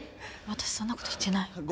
私そんなこと言ってない。